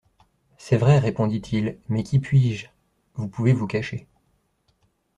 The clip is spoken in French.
C'est vrai, répondit-il, mais qu'y puis-je ?… Vous pouvez vous cacher.